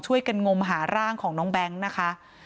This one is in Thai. ช่วยกันงมหาร่างของน้องแบงค์นะคะ